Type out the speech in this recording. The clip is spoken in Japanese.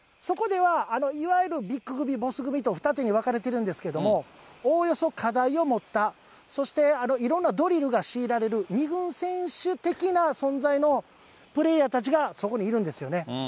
そこでは、いわゆるビッグ組、ボス組と二手に分かれてるんですけれども、おおよそ課題を持った、そしてあるいろんなドリルが強いられる、２軍選手的な存在のプレーヤーたちがそこにいるんですよね。